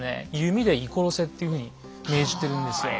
弓で射殺せっていうふうに命じてるんですよ。